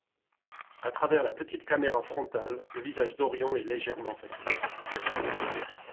À travers la petite caméra frontale, le visage d’Orion est légèrement fatigué.